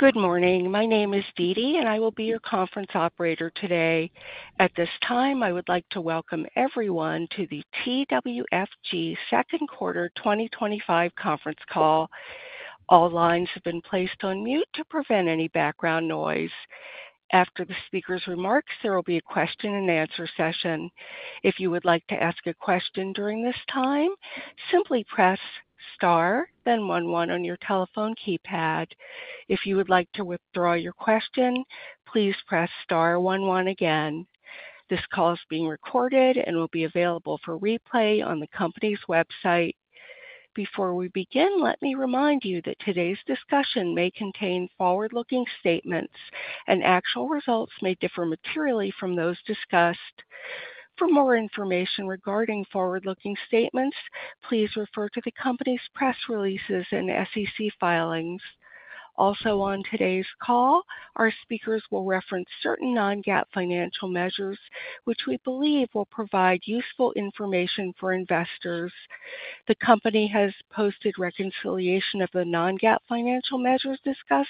Good morning. My name is Didi, and I will be your conference operator today. At this time, I would like to welcome everyone to the TWFG Second Quarter 2025 Conference Call. All lines have been placed on mute to prevent any background noise. After the speaker's remarks, there will be a question and answer session. If you would like to ask a question during this time, simply press star, then one one on your telephone keypad. If you would like to withdraw your question, please press star one one again. This call is being recorded and will be available for replay on the company's website. Before we begin, let me remind you that today's discussion may contain forward-looking statements, and actual results may differ materially from those discussed. For more information regarding forward-looking statements, please refer to the company's press releases and SEC filings. Also, on today's call, our speakers will reference certain non-GAAP financial measures, which we believe will provide useful information for investors. The company has posted reconciliation of the non-GAAP financial measures discussed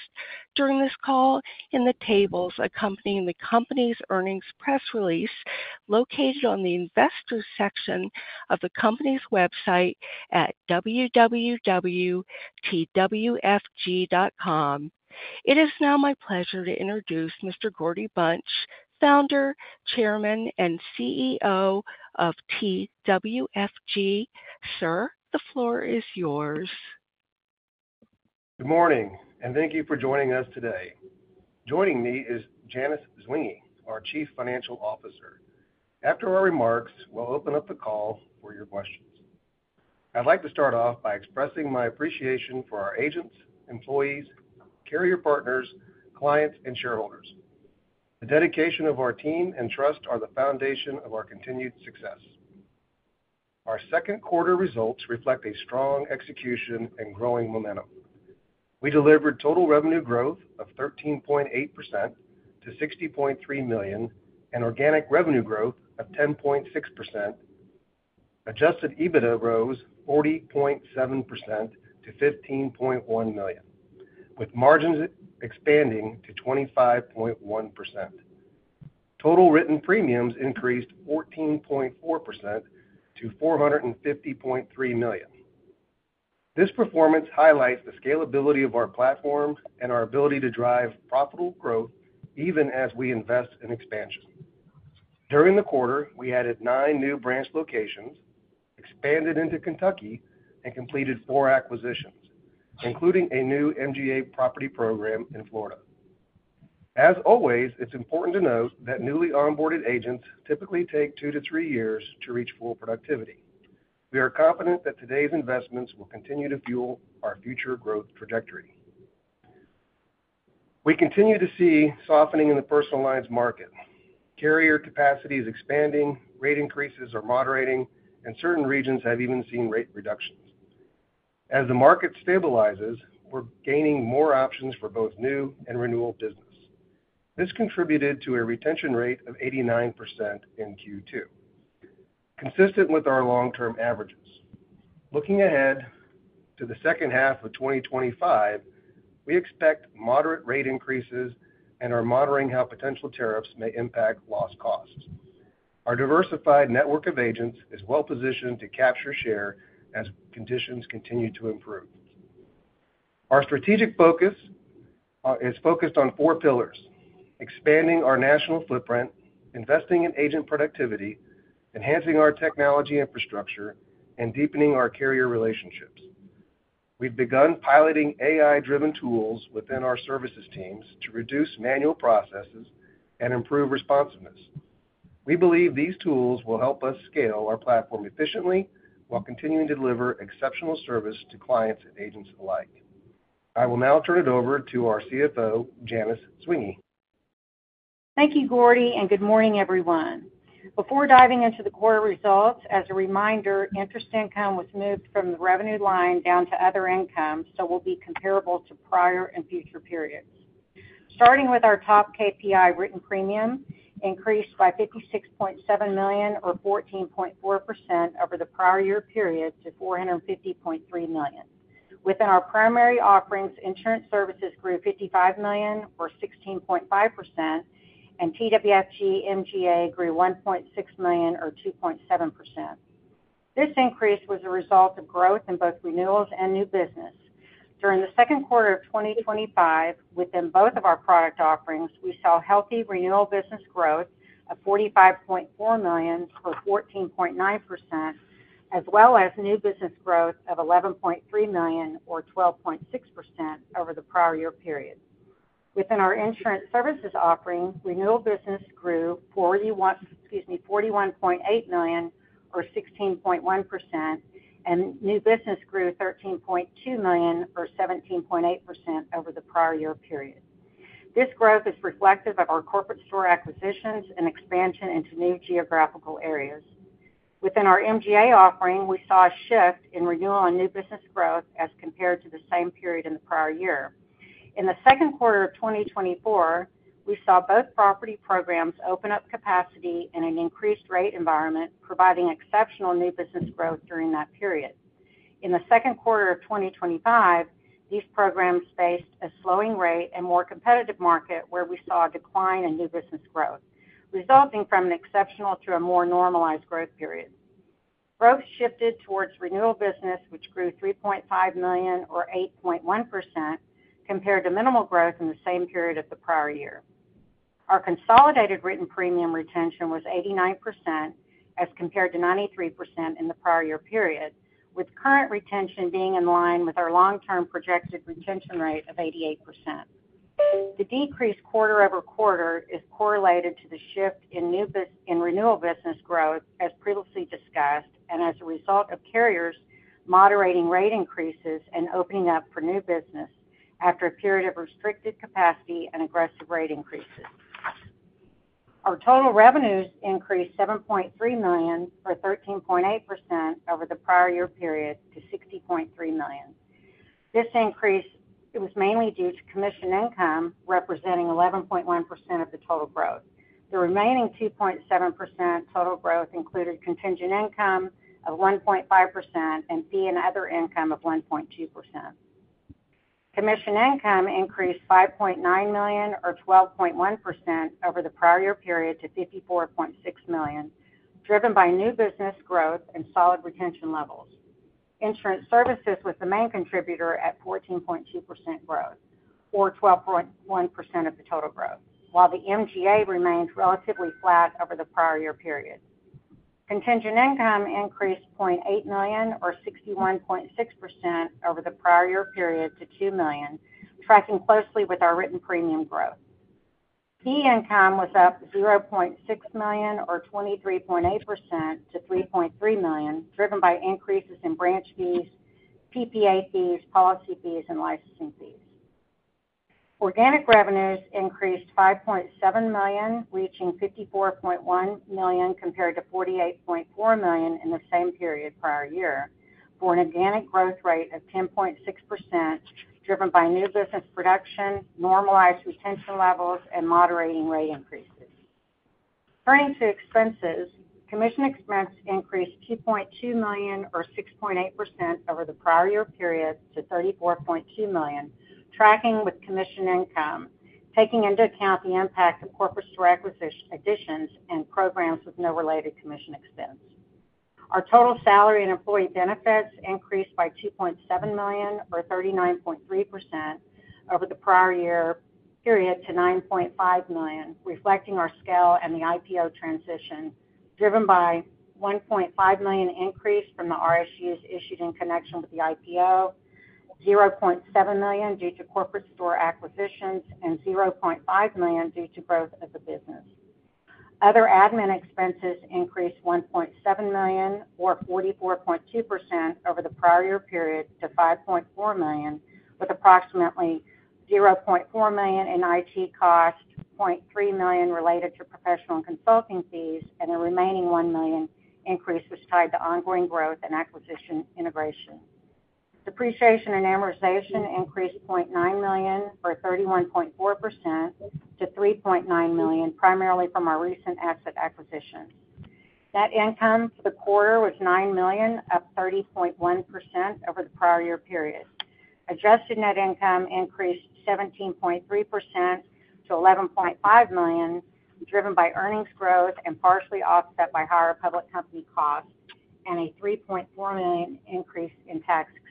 during this call in the tables accompanying the company's earnings press release, located on the investors' section of the company's website at www.twfg.com. It is now my pleasure to introduce Mr. Gordy Bunch, Founder, Chairman, and CEO of TWFG. Sir, the floor is yours. Good morning, and thank you for joining us today. Joining me is Janice Zwinggi, our Chief Financial Officer. After our remarks, we'll open up the call for your questions. I'd like to start off by expressing my appreciation for our agents, employees, carrier partners, clients, and shareholders. The dedication of our team and trust are the foundation of our continued success. Our second quarter results reflect a strong execution and growing momentum. We delivered total revenue growth of 13.8% to $60.3 million and organic revenue growth of 10.6%. Adjusted EBITDA rose 40.7% to $15.1 million, with margins expanding to 25.1%. Total written premiums increased 14.4% to $450.3 million. This performance highlights the scalability of our platform and our ability to drive profitable growth even as we invest in expansion. During the quarter, we added nine new branch locations, expanded into Kentucky, and completed four acquisitions, including a new MGA property program in Florida. As always, it's important to note that newly onboarded agents typically take two to three years to reach full productivity. We are confident that today's investments will continue to fuel our future growth trajectory. We continue to see softening in the personal lines market. Carrier capacity is expanding, rate increases are moderating, and certain regions have even seen rate reductions. As the market stabilizes, we're gaining more options for both new and renewal business. This contributed to a retention rate of 89% in Q2, consistent with our long-term averages. Looking ahead to the second half of 2025, we expect moderate rate increases and are monitoring how potential tariffs may impact loss costs. Our diversified network of agents is well-positioned to capture share as conditions continue to improve. Our strategic focus is focused on four pillars – expanding our national footprint, investing in agent productivity, enhancing our technology infrastructure, and deepening our carrier relationships. We've begun piloting AI-driven tools within our services teams to reduce manual processes and improve responsiveness. We believe these tools will help us scale our platform efficiently while continuing to deliver exceptional service to clients and agents alike. I will now turn it over to our CFO, Janice Zwinggi. Thank you, Gordy, and good morning, everyone. Before diving into the quarter results, as a reminder, interest income was moved from the revenue line down to other income, so it will be comparable to prior and future periods. Starting with our top KPI, written premium increased by $56.7 million, or 14.4% over the prior year period, to $450.3 million. Within our primary offerings, insurance services grew $55 million, or 16.5%, and TWFG MGA grew $1.6 million, or 2.7%. This increase was a result of growth in both renewals and new business. During the second quarter of 2025, within both of our product offerings, we saw healthy renewal business growth of $45.4 million, or 14.9%, as well as new business growth of $11.3 million, or 12.6% over the prior year period. Within our insurance services offering, renewal business grew $41.8 million, or 16.1%, and new business grew $13.2 million, or 17.8% over the prior year period. This growth is reflective of our corporate store acquisitions and expansion into new geographical areas. Within our MGA offering, we saw a shift in renewal and new business growth as compared to the same period in the prior year. In the second quarter of 2024, we saw both property programs open up capacity in an increased rate environment, providing exceptional new business growth during that period. In the second quarter of 2025, these programs faced a slowing rate and more competitive market where we saw a decline in new business growth, resulting from an exceptional to a more normalized growth period. Growth shifted towards renewal business, which grew $3.5 million, or 8.1%, compared to minimal growth in the same period of the prior year. Our consolidated written premium retention was 89% as compared to 93% in the prior year period, with current retention being in line with our long-term projected retention rate of 88%. The decrease quarter over quarter is correlated to the shift in renewal business growth, as previously discussed, and as a result of carriers moderating rate increases and opening up for new business after a period of restricted capacity and aggressive rate increases. Our total revenues increased $7.3 million, or 13.8% over the prior year period, to $60.3 million. This increase was mainly due to commission income representing 11.1% of the total growth. The remaining 2.7% total growth included contingent income of 1.5% and fee and other income of 1.2%. Commission income increased $5.9 million, or 12.1% over the prior year period, to $54.6 million, driven by new business growth and solid retention levels. Insurance services was the main contributor at 14.2% growth, or 12.1% of the total growth, while the MGA remained relatively flat over the prior year period. Contingent income increased $0.8 million, or 61.6% over the prior year period, to $2 million, tracking closely with our written premium growth. Fee income was up $0.6 million, or 23.8%, to $3.3 million, driven by increases in branch fees, PPA fees, policy fees, and licensing fees. Organic revenues increased $5.7 million, reaching $54.1 million compared to $48.4 million in the same period prior year, for an organic growth rate of 10.6%, driven by new business production, normalized retention levels, and moderating rate increases. Turning to expenses, commission expense increased $2.2 million, or 6.8% over the prior year period, to $34.2 million, tracking with commission income, taking into account the impact of corporate store acquisition additions and programs with no related commission expense. Our total salary and employee benefits increased by $2.7 million, or 39.3% over the prior year period, to $9.5 million, reflecting our scale and the IPO transition, driven by $1.5 million increase from the RSUs issued in connection with the IPO, $0.7 million due to corporate store acquisitions, and $0.5 million due to growth of the business. Other admin expenses increased $1.7 million, or 44.2% over the prior year period, to $5.4 million, with approximately $0.4 million in IT costs, $0.3 million related to professional and consulting fees, and the remaining $1 million increases tied to ongoing growth and acquisition integration. Depreciation and amortization increased $0.9 million, or 31.4%, to $3.9 million, primarily from our recent asset acquisition. Net income for the quarter was $9 million, up 30.1% over the prior year period. Adjusted net income increased 17.3% to $11.5 million, driven by earnings growth and partially offset by higher public company costs, and a $3.4 million increase in tax expense.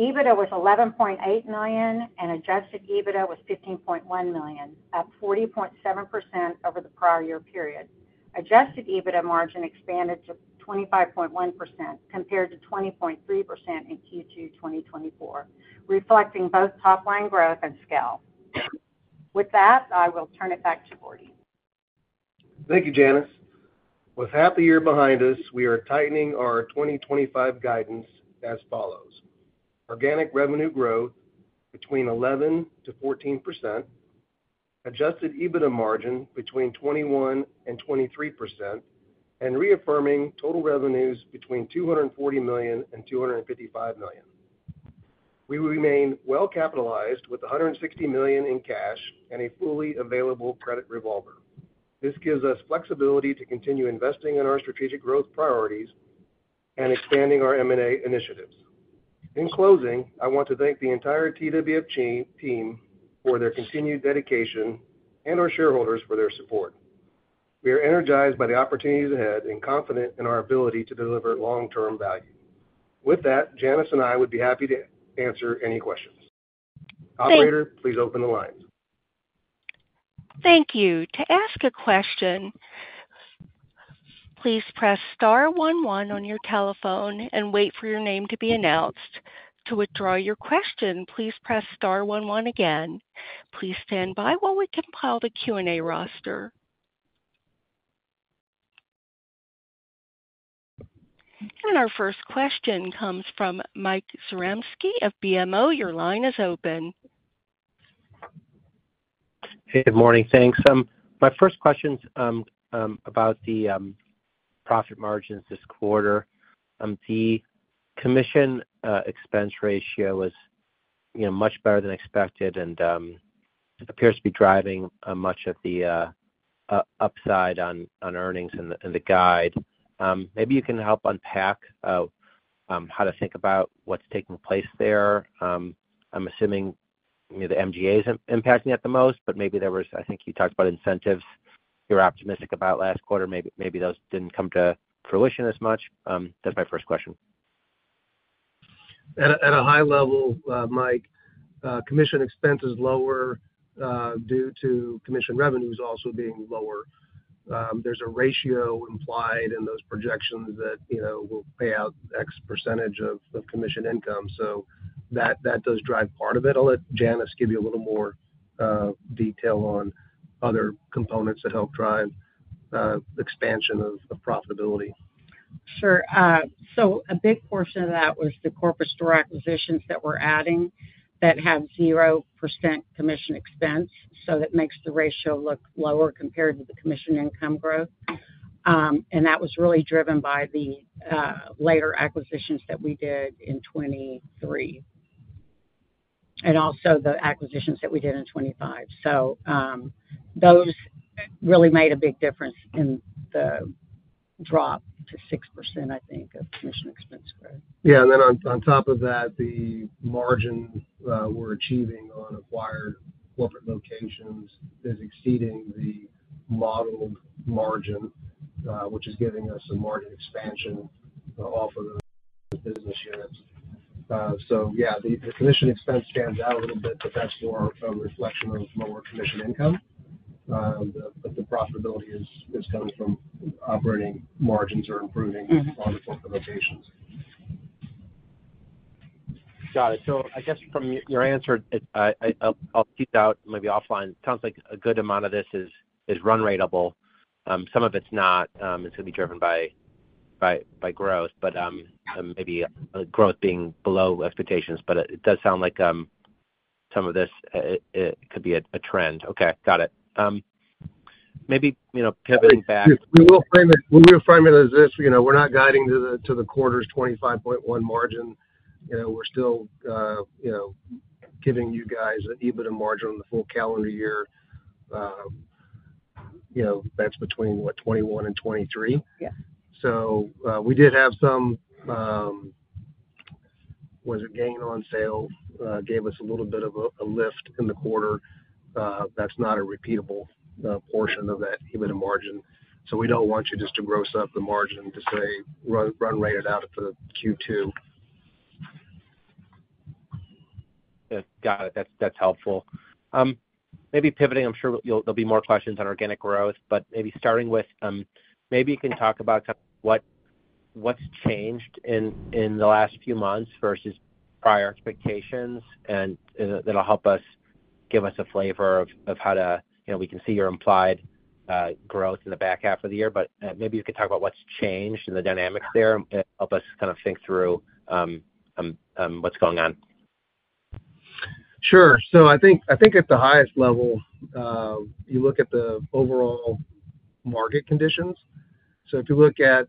EBITDA was $11.8 million, and adjusted EBITDA was $15.1 million, up 40.7% over the prior year period. Adjusted EBITDA margin expanded to 25.1% compared to 20.3% in Q2 2024, reflecting both top line growth and scale. With that, I will turn it back to Gordy. Thank you, Janice. With half a year behind us, we are tightening our 2025 guidance as follows: organic revenue growth between 11%-14%, adjusted EBITDA margin between 21% and 23%, and reaffirming total revenues between $240 million and $255 million. We remain well capitalized with $160 million in cash and a fully available credit revolver. This gives us flexibility to continue investing in our strategic growth priorities and expanding our M&A initiatives. In closing, I want to thank the entire TWFG team for their continued dedication and our shareholders for their support. We are energized by the opportunities ahead and confident in our ability to deliver long-term value. With that, Janice and I would be happy to answer any questions. Operator, please open the lines. Thank you. To ask a question, please press star one one on your telephone and wait for your name to be announced. To withdraw your question, please press star one one again. Please stand by while we compile the Q&A roster. Our first question comes from Mike Zaremski of BMO. Your line is open. Good morning. Thanks. My first question is about the profit margins this quarter. The commission expense ratio is much better than expected and appears to be driving much of the upside on earnings in the guide. Maybe you can help unpack how to think about what's taking place there. I'm assuming the MGA is impacting it the most, but maybe there was, I think you talked about incentives you were optimistic about last quarter. Maybe those didn't come to fruition as much. That's my first question. At a high level, Mike, commission expense is lower due to commission revenues also being lower. There is a ratio implied in those projections that, you know, will pay out X percentage of commission income. That does drive part of it. I'll let Janice give you a little more detail on other components that help drive expansion of profitability. Sure. A big portion of that was the corporate store acquisitions that we're adding that have 0% commission expense. That makes the ratio look lower compared to the commission income growth. That was really driven by the later acquisitions that we did in 2023 and also the acquisitions that we did in 2025. Those really made a big difference in the drop to 6%, I think, of commission expense. The margins we're achieving on acquired corporate locations is exceeding the model margin, which is giving us some margin expansion off of the business units. The commission expense stands out a little bit, but that's through our reflection of lower commission income. The profitability is coming from operating margins or improving on the corporate locations. Got it. I guess from your answer, I'll tease out maybe offline. It sounds like a good amount of this is run rateable. Some of it's not. It's going to be driven by growth, maybe growth being below expectations. It does sound like some of this could be a trend. Okay. Got it. Maybe, you know, pivoting back. We will frame it as this, you know, we're not guiding to the quarter's 25.1% margin. We're still, you know, giving you guys the EBITDA margin on the full calendar year. That's between, what, 2021 and 2023. Yeah. We did have some, was it gain on sale? Gave us a little bit of a lift in the quarter. That's not a repeatable portion of that EBITDA margin. We don't want you just to gross up the margin to say run rate it out at the Q2. Got it. That's helpful. Maybe pivoting, I'm sure there'll be more questions on organic growth, but maybe starting with, can you talk about what's changed in the last few months versus prior expectations? That'll help give us a flavor of how to, you know, we can see your implied growth in the back half of the year, but maybe you could talk about what's changed in the dynamics there and help us kind of think through what's going on. Sure. I think at the highest level, you look at the overall market conditions. If you look at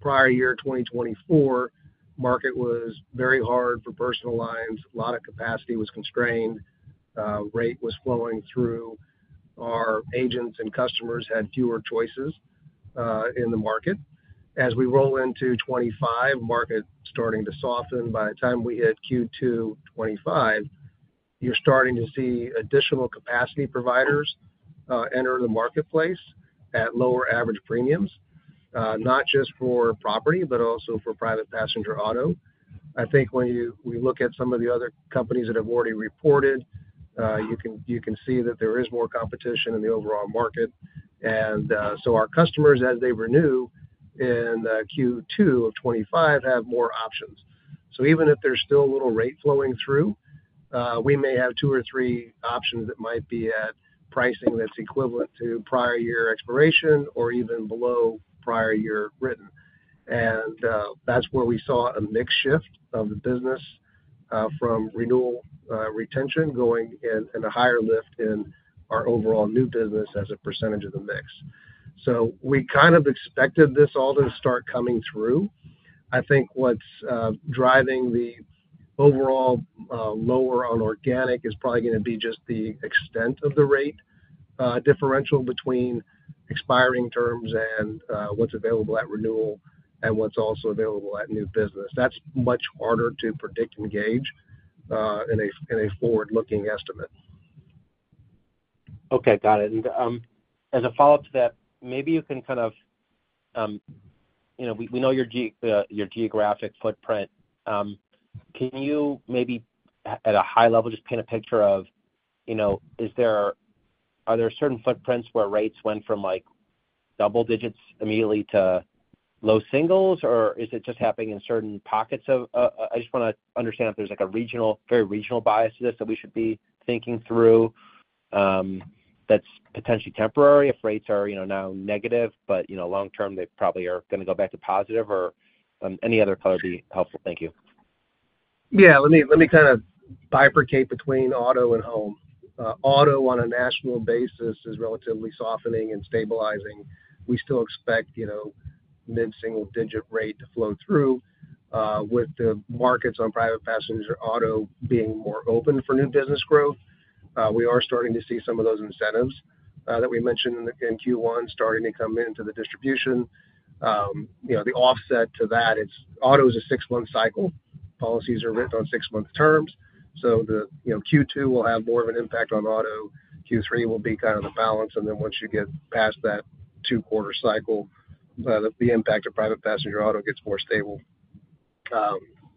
prior year 2024, the market was very hard for personal lines. A lot of capacity was constrained. Rate was flowing through. Our agents and customers had fewer choices in the market. As we roll into 2025, the market is starting to soften. By the time we hit Q2 2025, you're starting to see additional capacity providers enter the marketplace at lower average premiums, not just for property, but also for private passenger auto. I think when you look at some of the other companies that have already reported, you can see that there is more competition in the overall market. Our customers, as they renew in Q2 2025, have more options. Even if there's still a little rate flowing through, we may have two or three options that might be at pricing that's equivalent to prior year expiration or even below prior year written. That's where we saw a mixed shift of the business from renewal retention going in a higher lift in our overall new business as a percentage of the mix. We kind of expected this all to start coming through. I think what's driving the overall lower on organic is probably going to be just the extent of the rate differential between expiring terms and what's available at renewal and what's also available at new business. That's much harder to predict and gauge in a forward-looking estimate. Got it. As a follow-up to that, maybe you can kind of, you know, we know your geographic footprint. Can you maybe at a high level just paint a picture of, you know, are there certain footprints where rates went from like double digits immediately to low singles, or is it just happening in certain pockets? I just want to understand if there's a very regional bias to this that we should be thinking through that's potentially temporary if rates are now negative, but long term, they probably are going to go back to positive or any other color would be helpful. Thank you. Yeah. Let me kind of bifurcate between auto and home. Auto on a national basis is relatively softening and stabilizing. We still expect, you know, mid-single-digit rate to flow through. With the markets on private passenger auto being more open for new business growth, we are starting to see some of those incentives that we mentioned in Q1 starting to come into the distribution. The offset to that is auto is a six-month cycle. Policies are written on six-month terms. Q2 will have more of an impact on auto. Q3 will be kind of the balance. Once you get past that two-quarter cycle, the impact of private passenger auto gets more stable.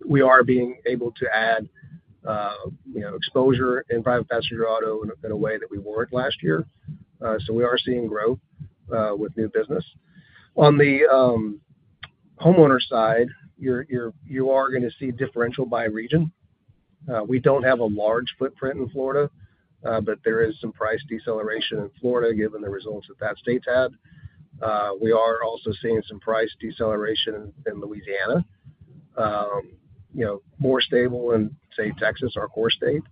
We are being able to add, you know, exposure in private passenger auto in a way that we weren't last year. We are seeing growth with new business. On the homeowner side, you are going to see differential by region. We don't have a large footprint in Florida, but there is some price deceleration in Florida given the results that that state's had. We are also seeing some price deceleration in Louisiana, more stable than, say, Texas, our core state.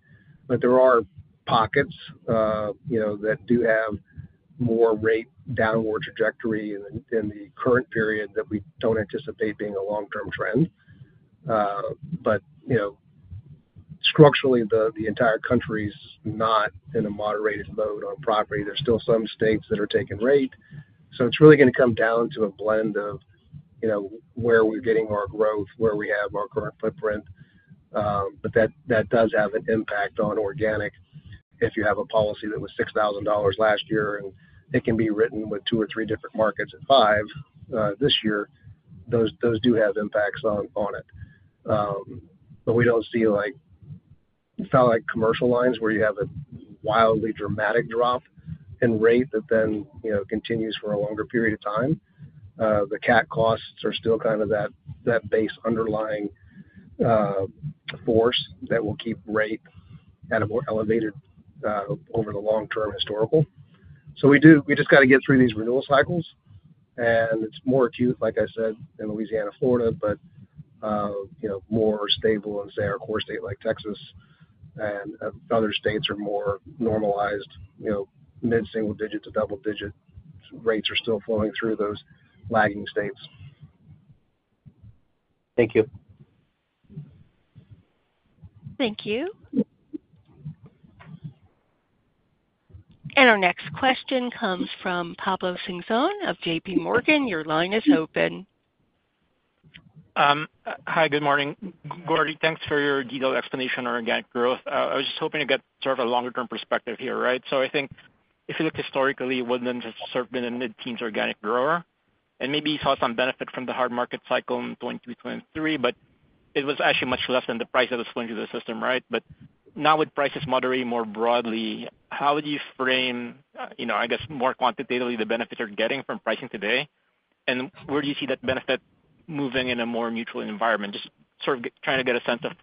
There are pockets that do have more rate downward trajectory in the current period that we don't anticipate being a long-term trend. Structurally, the entire country's not in a moderated mode on property. There are still some states that are taking rate. It's really going to come down to a blend of where we're getting our growth, where we have our current footprint. That does have an impact on organic. If you have a policy that was $6,000 last year and it can be written with two or three different markets at $5,000 this year, those do have impacts on it. We don't see like it's not like commercial lines where you have a wildly dramatic drop in rate that then continues for a longer period of time. The CAT costs are still kind of that base underlying force that will keep rate at a more elevated over the long-term historical. We just got to get through these renewal cycles. It's more acute, like I said, in Louisiana, Florida, but more stable in, say, our core state like Texas. Other states are more normalized, mid-single-digit to double-digit rates are still flowing through those lagging states. Thank you. Thank you. Our next question comes from Pablo Singzon of JPMorgan. Your line is open. Hi. Good morning, Gordy. Thanks for your detailed explanation on organic growth. I was just hoping to get sort of a longer-term perspective here, right? I think if you look historically, it wouldn't have just sort of been a mid-teens organic grower. Maybe you saw some benefit from the hard market cycle in 2023, but it was actually much less than the price that was flowing through the system, right? Now with prices moderating more broadly, how would you frame, you know, I guess, more quantitatively the benefit you're getting from pricing today? Where do you see that benefit moving in a more mutual environment? Just sort of trying to get a sense of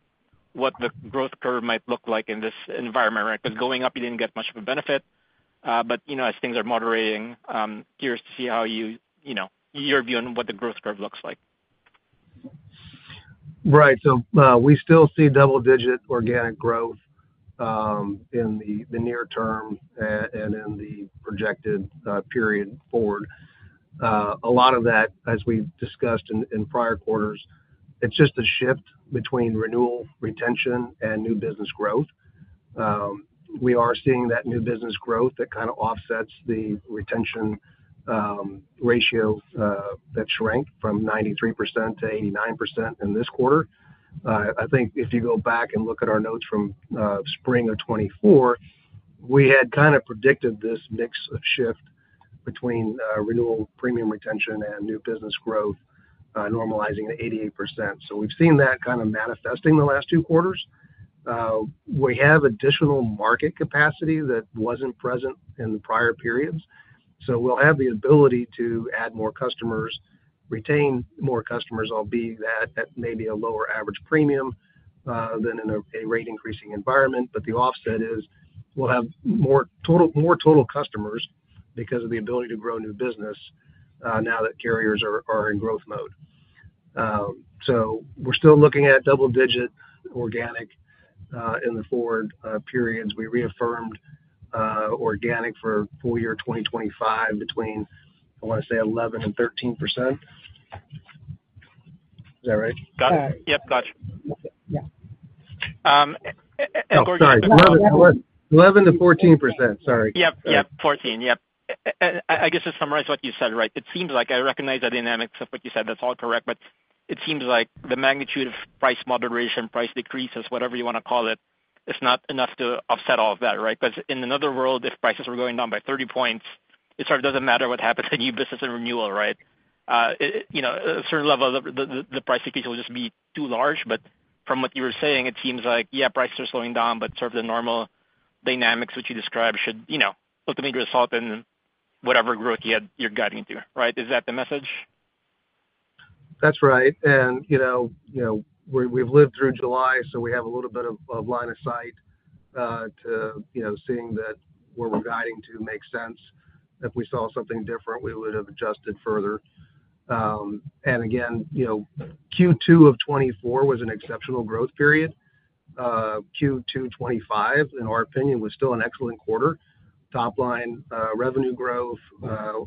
what the growth curve might look like in this environment, right? Going up, you didn't get much of a benefit. As things are moderating, curious to see how you, you know, your view on what the growth curve looks like. Right. We still see double-digit organic growth in the near term and in the projected period forward. A lot of that, as we discussed in prior quarters, is just a shift between renewal retention and new business growth. We are seeing that new business growth that kind of offsets the retention ratio that shrank from 93% to 89% in this quarter. I think if you go back and look at our notes from spring of 2024, we had kind of predicted this mix of shift between renewal premium retention and new business growth normalizing at 88%. We have seen that kind of manifesting the last two quarters. We have additional market capacity that was not present in the prior periods. We will have the ability to add more customers, retain more customers, albeit that may be a lower average premium than in a rate-increasing environment. The offset is we will have more total customers because of the ability to grow new business now that carriers are in growth mode. We are still looking at double-digit organic in the forward period. We reaffirmed organic for full year 2025 between, I want to say, 11% and 13%. Is that right? Gotcha. Yeah. 11%-14%, sorry. Yep, yep, 14. I guess to summarize what you said, it seems like I recognize the dynamics of what you said. That's all correct. It seems like the magnitude of price moderation, price decreases, whatever you want to call it, is not enough to offset all of that, right? In another world, if prices were going down by 30%, it sort of doesn't matter what happens to new business and renewal, right? A certain level of the price decrease will just be too large. From what you were saying, it seems like, yeah, prices are slowing down, but sort of the normal dynamics, which you described, should ultimately result in whatever growth you're guiding to, right? Is that the message? That's right. We've lived through July, so we have a little bit of line of sight to seeing that where we're guiding to makes sense. If we saw something different, we would have adjusted further. Q2 of 2024 was an exceptional growth period. Q2 2025, in our opinion, was still an excellent quarter. Top line revenue growth,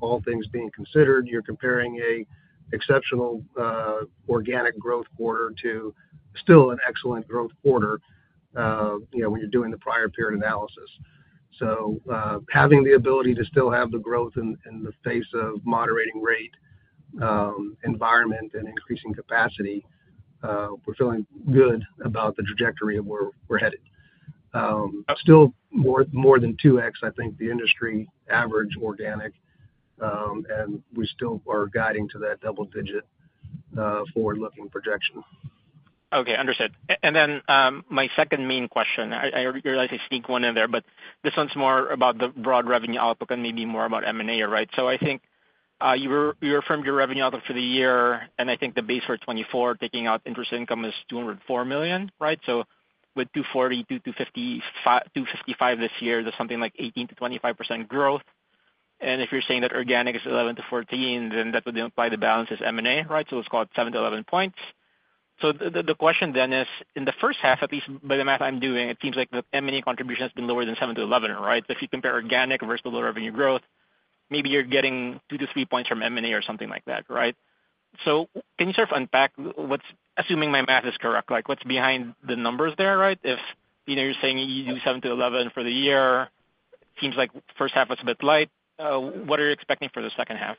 all things being considered, you're comparing an exceptional organic growth quarter to still an excellent growth quarter when you're doing the prior period analysis. Having the ability to still have the growth in the face of moderating rate environment and increasing capacity, we're feeling good about the trajectory of where we're headed. Still more than 2x, I think, the industry average organic, and we still are guiding to that double-digit forward-looking projection. Okay. Understood. My second main question, I realize I sneak one in there, but this one's more about the broad revenue outlook and maybe more about M&A, right? I think you reaffirmed your revenue outlook for the year, and I think the base for 2024, taking out interest income, is $204 million, right? With $240 million-$255 million this year, there's something like 18%-25% growth. If you're saying that organic is 11% to 14%, then that would apply the balance as M&A, right? It's called 7-11 points. The question then is, in the first half, at least by the math I'm doing, it seems like the M&A contribution has been lower than 7-11, right? If you compare organic versus the low revenue growth, maybe you're getting 2-3 points from M&A or something like that, right? Can you sort of unpack what's, assuming my math is correct, what's behind the numbers there, right? If you know you're saying you do 7-11 for the year, it seems like the first half was a bit light. What are you expecting for the second half?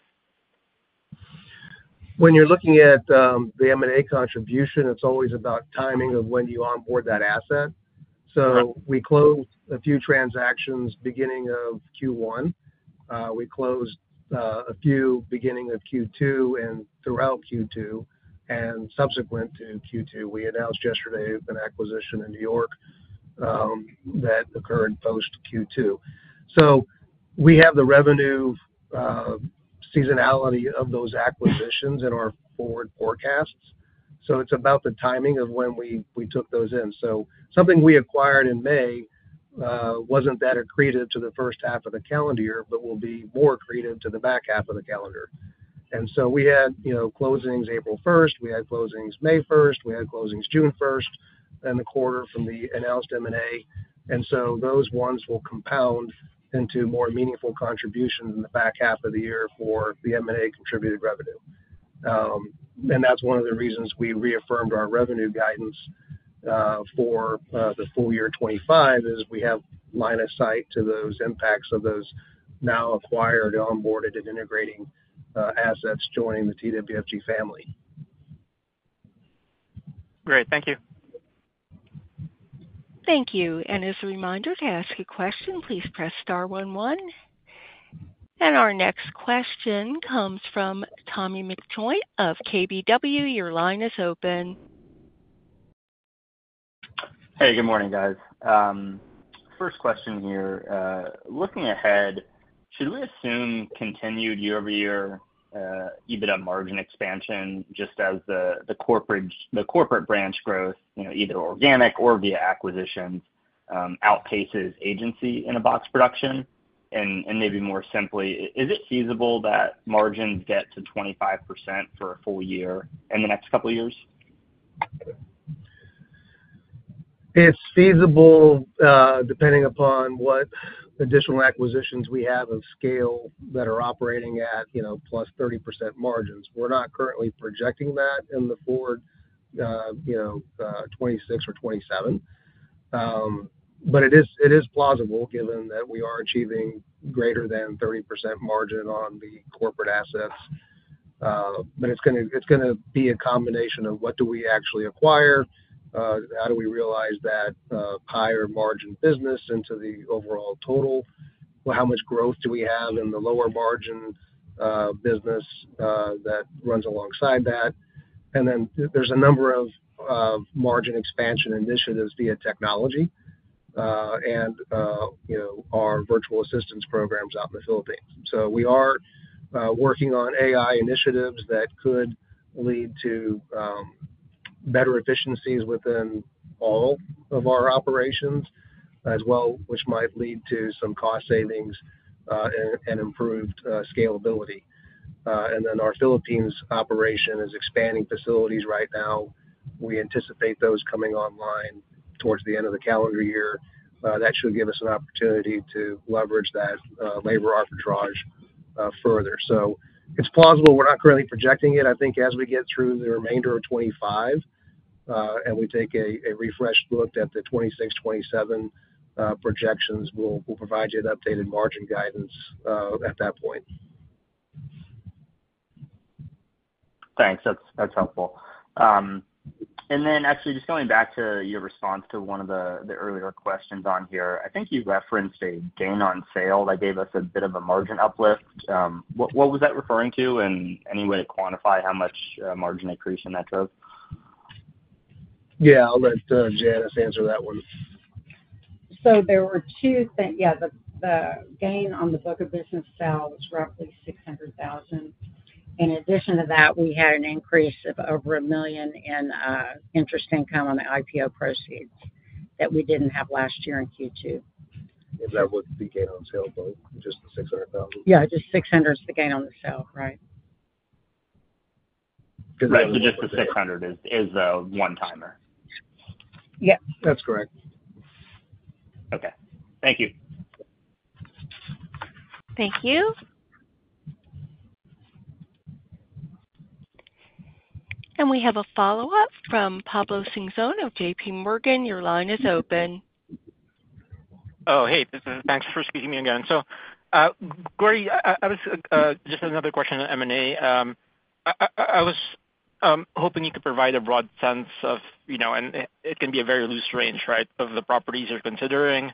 When you're looking at the M&A contribution, it's always about timing of when you onboard that asset. We closed a few transactions beginning of Q1. We closed a few beginning of Q2 and throughout Q2 and subsequent to Q2. We announced yesterday an acquisition in New York that occurred post-Q2. We have the revenue seasonality of those acquisitions in our forward forecasts. It's about the timing of when we took those in. Something we acquired in May wasn't that accretive to the first half of the calendar year, but will be more accretive to the back half of the calendar. We had closings April 1st. We had closings May 1st. We had closings June 1st, then the quarter from the announced M&A. Those ones will compound into more meaningful contributions in the back half of the year for the M&A contributed revenue. That's one of the reasons we reaffirmed our revenue guidance for the full year 2025, as we have line of sight to those impacts of those now acquired, onboarded, and integrating assets joining the TWFG family. Great. Thank you. Thank you. As a reminder, to ask a question, please press star one one. Our next question comes from Tommy McJoynt of KBW. Your line is open. Hey, good morning, guys. First question here. Looking ahead, should we assume continued year-over-year EBITDA margin expansion just as the corporate branch growth, you know, either organic or via acquisition, outpaces agency in a box production? Maybe more simply, is it feasible that margins get to 25% for a full year in the next couple of years? It's feasible depending upon what additional acquisitions we have of scale that are operating at, you know, +30% margins. We're not currently projecting that in the forward, you know, 2026 or 2027. It is plausible given that we are achieving greater than 30% margin on the corporate assets. It's going to be a combination of what do we actually acquire, how do we realize that higher margin business into the overall total, how much growth do we have in the lower margin business that runs alongside that. There are a number of margin expansion initiatives via technology and, you know, our virtual assistance programs out in the Philippines. We are working on AI initiatives that could lead to better efficiencies within all of our operations as well, which might lead to some cost savings and improved scalability. Our Philippines operation is expanding facilities right now. We anticipate those coming online towards the end of the calendar year. That should give us an opportunity to leverage that labor arbitrage further. It's plausible. We're not currently projecting it. I think as we get through the remainder of 2025 and we take a refreshed look at the 2026, 2027 projections, we'll provide you an updated margin guidance at that point. Thanks. That's helpful. Actually, just going back to your response to one of the earlier questions on here, I think you referenced a gain on sale that gave us a bit of a margin uplift. What was that referring to, and any way to quantify how much margin increase that drove? Yeah, I'll let Janice answer that one. There were two things. The gain on the book of business sale was roughly $600,000. In addition to that, we had an increase of over $1 million in interest income on the IPO proceeds that we didn't have last year in Q2. Is that what the gain on sale was, just the $600,000? Yeah, just $600,000 is the gain on the sale, right? Right. Just the $600,000 is the one-timer. Yep. That's correct. Okay, thank you. Thank you. We have a follow-up from Pablo Singzon of JPMorgan. Your line is open. Thank you for speaking to me again. Gordy, I have another question on M&A. I was hoping you could provide a broad sense of, you know, and it can be a very loose range, right, of the properties you're considering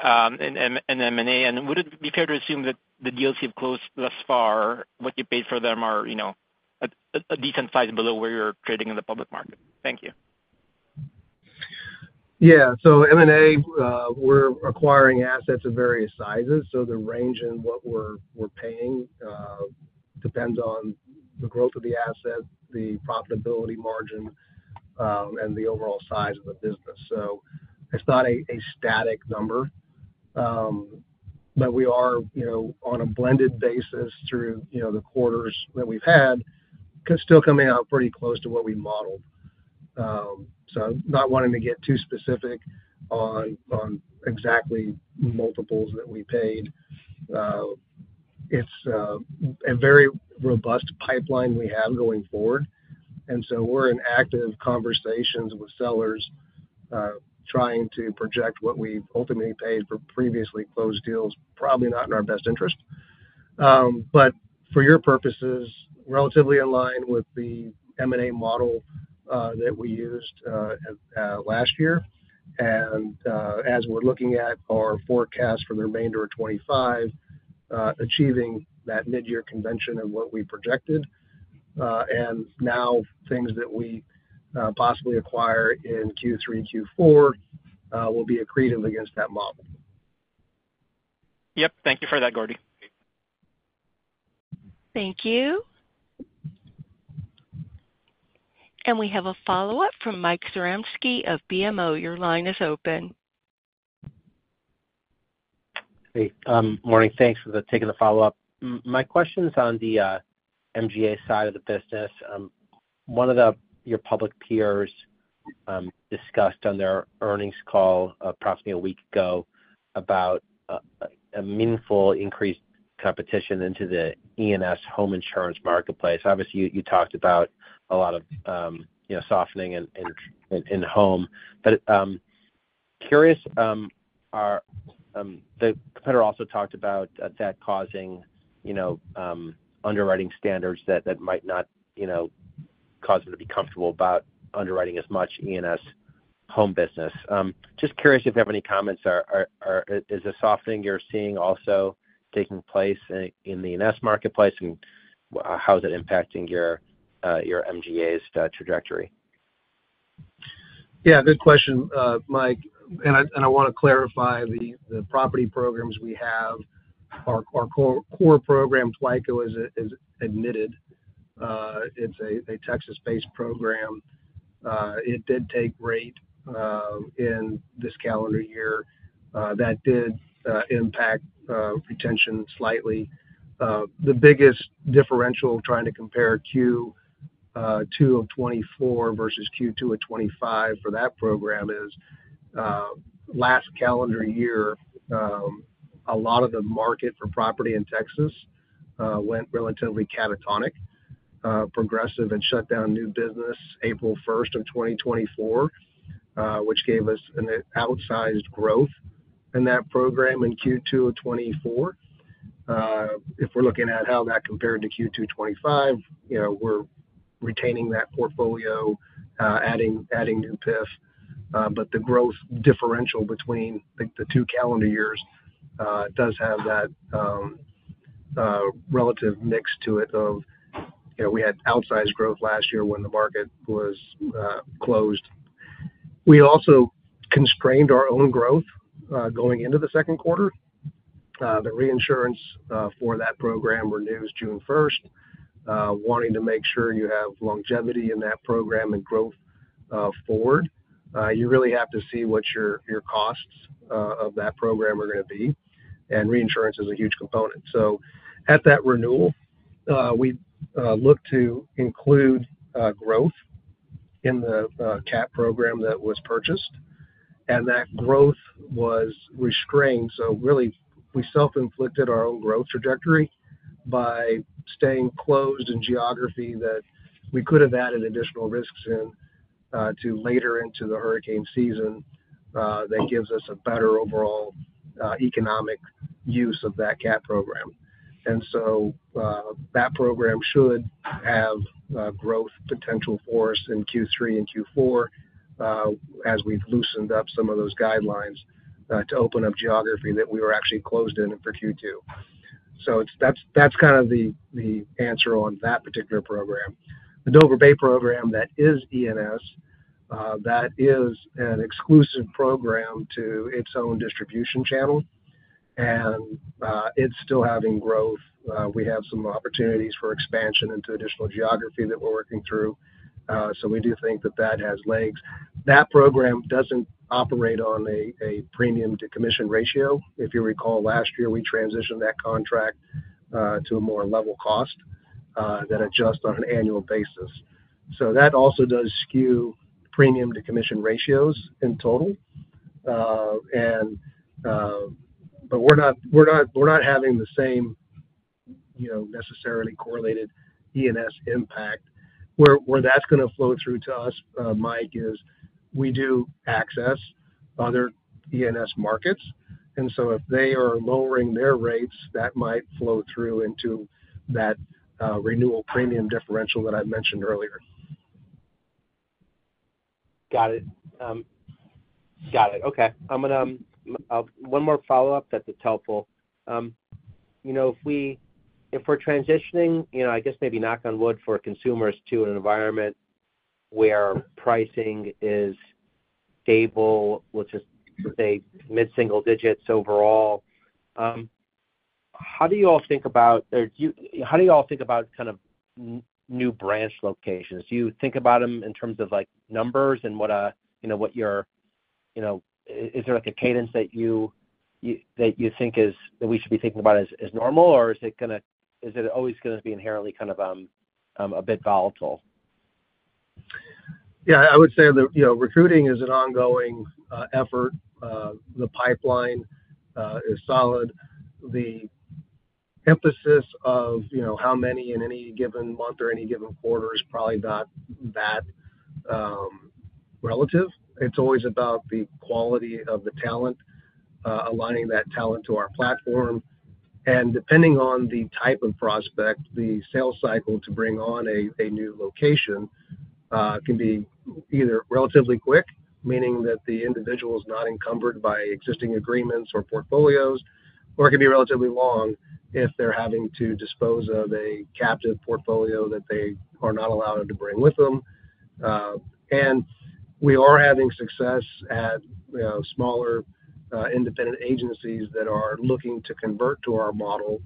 in M&A. Would it be fair to assume that the deals you've closed thus far, what you paid for them are, you know, a decent size below where you're trading in the public market? Thank you. Yeah. M&A, we're acquiring assets of various sizes. The range in what we're paying depends on the growth of the asset, the profitability margin, and the overall size of the business. It's not a static number. We are, on a blended basis through the quarters that we've had, still coming out pretty close to what we modeled. Not wanting to get too specific on exactly multiples that we paid. It's a very robust pipeline we have going forward. We are in active conversations with sellers trying to project what we ultimately paid for previously closed deals, probably not in our best interest. For your purposes, relatively aligned with the M&A model that we used last year. As we're looking at our forecast for the remainder of 2025, achieving that mid-year convention and what we projected. Things that we possibly acquire in Q3, Q4 will be accreted against that model. Thank you for that, Gordy. Thank you. We have a follow-up from Mike Zaremski of BMO. Your line is open. Hey, good morning. Thanks for taking the follow-up. My question is on the MGA side of the business. One of your public peers discussed on their earnings call approximately a week ago about a meaningful increased competition into the EMS home insurance marketplace. Obviously, you talked about a lot of softening in home. I'm curious, the competitor also talked about that causing underwriting standards that might not cause them to be comfortable about underwriting as much EMS home business. Just curious if you have any comments or is the softening you're seeing also taking place in the EMS marketplace, and how is it impacting your MGA's trajectory? Yeah, good question, Mike. I want to clarify the property programs we have. Our core program, Twico, is admitted. It's a Texas-based program. It did take rate in this calendar year. That did impact retention slightly. The biggest differential trying to compare Q2 of 2024 versus Q2 of 2025 for that program is last calendar year, a lot of the market for property in Texas went relatively catatonic. Progressive had shut down new business April 1st of 2024, which gave us an outsized growth in that program in Q2 of 2024. If we're looking at how that compared to Q2 of 2025, we're retaining that portfolio, adding new PIFs. The growth differential between the two calendar years does have that relative mix to it of, we had outsized growth last year when the market was closed. We also constrained our own growth going into the second quarter. The reinsurance for that program renews June 1st. Wanting to make sure you have longevity in that program and growth forward, you really have to see what your costs of that program are going to be. Reinsurance is a huge component. At that renewal, we looked to include growth in the CAT program that was purchased. That growth was restrained. We self-inflicted our own growth trajectory by staying closed in geography that we could have added additional risks in to later into the hurricane season that gives us a better overall economic use of that CAT program. That program should have growth potential for us in Q3 and Q4 as we've loosened up some of those guidelines to open up geography that we were actually closed in for Q2. That's the answer on that particular program. The Dover Bay program that is EMS, that is an exclusive program to its own distribution channel. It's still having growth. We have some opportunities for expansion into additional geography that we're working through. We do think that that has length. That program doesn't operate on a premium to commission ratio. If you recall, last year we transitioned that contract to a more level cost that adjusts on an annual basis. That also does skew premium to commission ratios in total. We're not having the same necessarily correlated EMS impact. Where that's going to flow through to us, Mike, is we do access other EMS markets. If they are lowering their rates, that might flow through into that renewal premium differential that I mentioned earlier. Got it. Okay. I'll do one more follow-up, that's helpful. You know, if we're transitioning, I guess maybe knock on wood for consumers to an environment where pricing is stable, let's just say mid-single digits overall. How do you all think about, or do you, how do you all think about kind of new branch locations? Do you think about them in terms of numbers and what your, you know, is there a cadence that you think is normal, or is it always going to be inherently kind of a bit volatile? I would say that recruiting is an ongoing effort. The pipeline is solid. The emphasis of how many in any given month or any given quarter is probably not that relative. It's always about the quality of the talent, aligning that talent to our platform. Depending on the type of prospect, the sales cycle to bring on a new location can be either relatively quick, meaning that the individual is not encumbered by existing agreements or portfolios, or it can be relatively long if they're having to dispose of a captive portfolio that they are not allowed to bring with them. We are having success at smaller independent agencies that are looking to convert to our model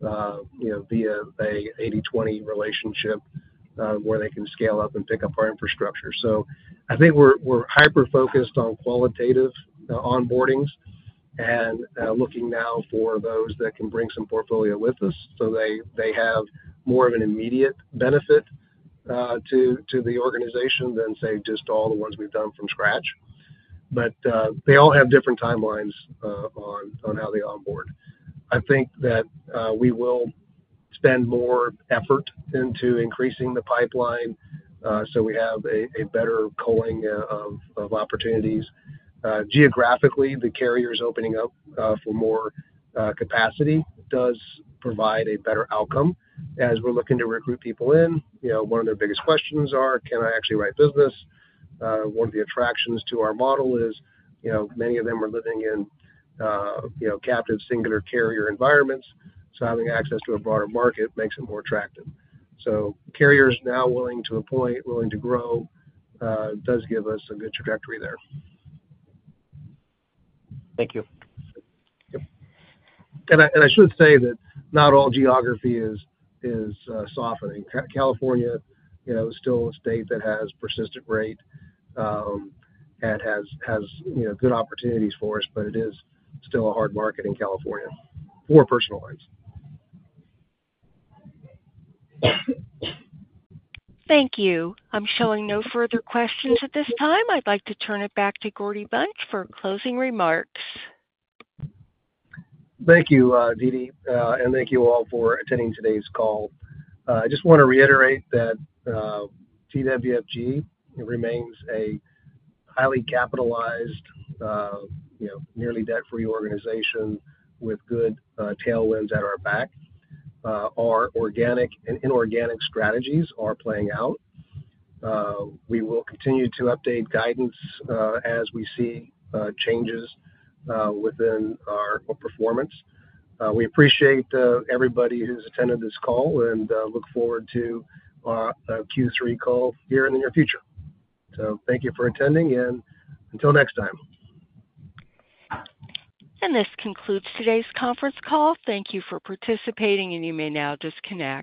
via an 80/20 relationship where they can scale up and pick up our infrastructure. I think we're hyper-focused on qualitative onboardings and looking now for those that can bring some portfolio with us. They have more of an immediate benefit to the organization than just all the ones we've done from scratch. They all have different timelines on how they onboard. I think that we will spend more effort into increasing the pipeline so we have a better pooling of opportunities. Geographically, the carriers opening up for more capacity does provide a better outcome. As we're looking to recruit people in, one of their biggest questions is, can I actually write business? One of the attractions to our model is many of them are living in captive singular carrier environments. Having access to a broader market makes it more attractive. Carriers now willing to appoint, willing to grow does give us a good trajectory there. Thank you. I should say that not all geography is softening. California is still a state that has persistent rate and has good opportunities for us, but it is still a hard market in California for personal lines. Thank you. I'm showing no further questions at this time. I'd like to turn it back to Gordy Bunch for closing remarks. Thank you, Didi, and thank you all for attending today's call. I just want to reiterate that TWFG remains a highly capitalized, nearly debt-free organization with good tailwinds at our back. Our organic and inorganic strategies are playing out. We will continue to update guidance as we see changes within our performance. We appreciate everybody who's attended this call and look forward to our Q3 call here in the near future. Thank you for attending, and until next time. This concludes today's conference call. Thank you for participating, and you may now disconnect.